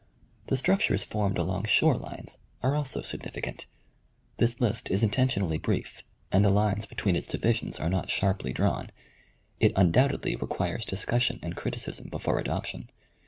The structures formed along shore lines are also significant. This list is intentionally brief, and the lines between its divisions are not sharply drawn. It undoubtedly requires discussion and criti cism before adoption.